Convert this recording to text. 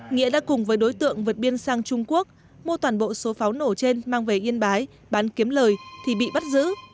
nghĩa đã cùng với đối tượng vượt biên sang trung quốc mua toàn bộ số pháo nổ trên mang về yên bái bán kiếm lời thì bị bắt giữ